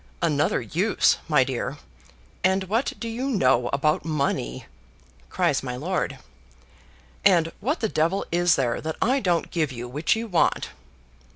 "Another use, my dear; and what do you know about money?" cries my lord. "And what the devil is there that I don't give you which you want!"